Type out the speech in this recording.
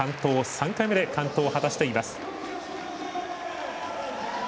３回目で完登を果たしています。